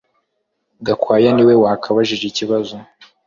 Gakwaya ni we wabajije ikibazo